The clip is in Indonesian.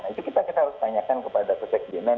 nah itu kita harus tanyakan kepada kesekjenan